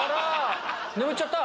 眠っちゃった。